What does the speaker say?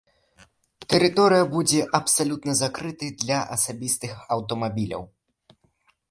Тэрыторыя будзе абсалютна закрытай для асабістых аўтамабіляў.